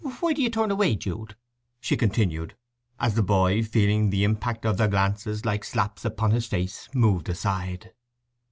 Why do ye turn away, Jude?" she continued, as the boy, feeling the impact of their glances like slaps upon his face, moved aside.